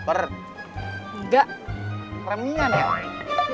enggak remian ya woy